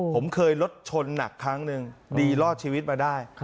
ผมเคยรถชนหนักครั้งหนึ่งดีรอดชีวิตมาได้